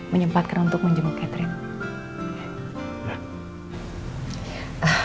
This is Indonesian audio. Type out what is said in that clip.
menyempatkan untuk menjenguk catherine